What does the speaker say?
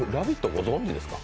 ご存じですか？